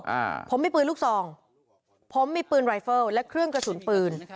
อ่าผมมีปืนลูกซองผมมีปืนไวเฟิลและเครื่องกระสุนปืน